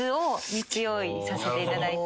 ３つ用意させていただいて。